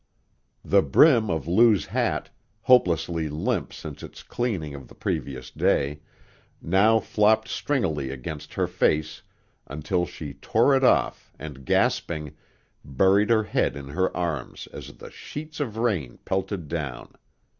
The brim of Lou's hat, hopelessly limp since its cleansing of the previous day, now flopped stringily against her face until she tore it off and gasping, buried her head in her arms as the sheets of rain pelted down.